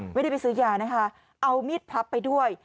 ไม่ได้ไปซื้อยานะคะเอามีดพับไปด้วย